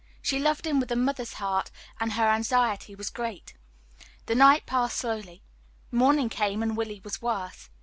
She loved him with a mother's heart, and her anxiety was great. The night passed slowly; morning came, and Willie was worse.